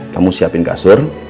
kamu siapin kasur